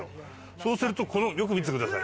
そうするとこのよく見ててください。